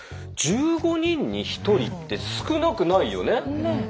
１５人に１人って少なくないよね？